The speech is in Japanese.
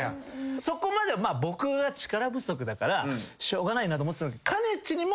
そこまでは僕が力不足だからしょうがないなと思ってた。